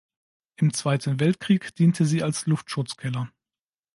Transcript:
Im Zweiten Weltkrieg diente sie als Luftschutzkeller.